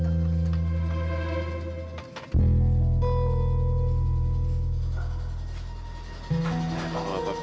pak pak pak